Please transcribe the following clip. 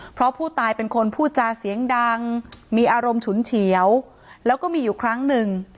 เพราะผู้ตายเป็นคนพูดจาเสียงดังมีอารมณ์ฉุนเฉียวแล้วก็มีอยู่ครั้งหนึ่ง